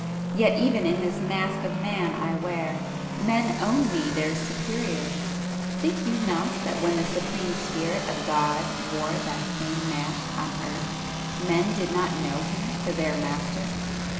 Yet even in this mask of man I wear, men own me their superior,—think you not that when [p 467] the Supreme Spirit of God wore that same mask on earth, men did not know Him for their Master?